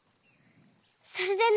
それでね。